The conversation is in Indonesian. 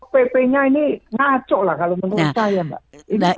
pp nya ini ngaco lah kalau menurut saya mbak